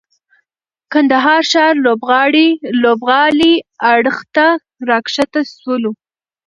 کندهار ښار لوبغالي اړخ ته راکښته سولو.